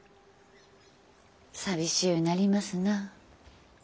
寂しうなりますな。